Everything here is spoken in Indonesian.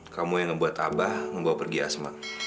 kamu yang ngebuat tabah ngebawa pergi asma